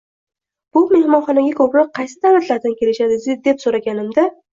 Bu mehmonxonaga koʻproq qaysi davlatlardan kelishadi, deb soʻraganimda